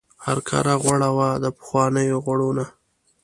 هرکاره غوړه وه د پخوانیو غوړو نه.